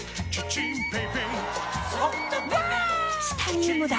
チタニウムだ！